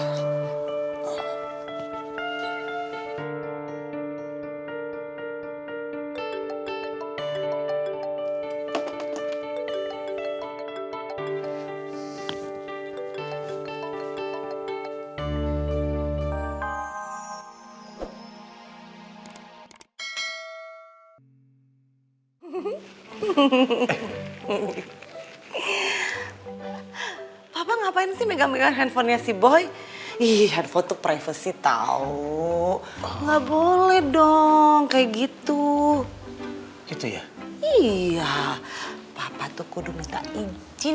sampai jumpa di games plus